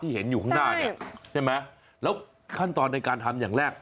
เห็นอยู่ข้างหน้าเนี่ยใช่ไหมแล้วขั้นตอนในการทำอย่างแรก